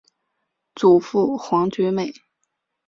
祖父黄厥美。